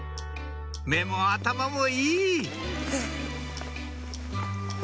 目も頭もいい！